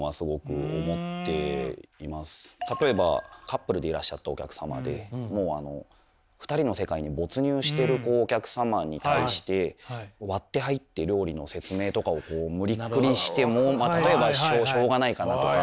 例えばカップルでいらっしゃったお客様でもうあの２人の世界に没入してるお客様に対して割って入って料理の説明とかを無理くりしても例えばしょうがないかなとか。